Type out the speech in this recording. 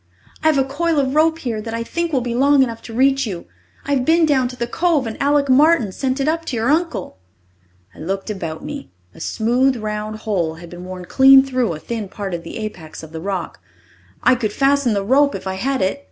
I've a coil of rope here that I think will be long enough to reach you. I've been down to the Cove and Alec Martin sent it up to your uncle." I looked about me; a smooth, round hole had been worn clean through a thin part of the apex of the rock. "I could fasten the rope if I had it!"